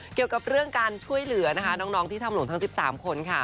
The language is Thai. เกี่ยวกับเรื่องการช่วยเหลือนะคะน้องที่ทำหลวงทั้ง๑๓คนค่ะ